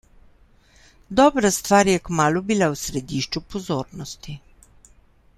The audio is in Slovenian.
Dobra stvar je kmalu bila v središču pozornosti.